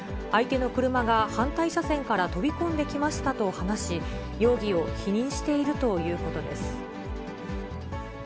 相手の車が反対車線から飛び込んできましたと話し、容疑を否認しているということです。